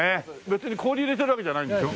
別に氷入れてるわけじゃないんでしょ？